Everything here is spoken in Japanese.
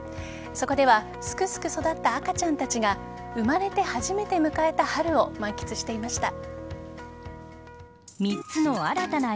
そこではすくすく育った赤ちゃんたちが生まれて初めて迎えた春を満喫していました。